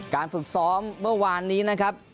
ฝึกซ้อมเมื่อวานนี้นะครับ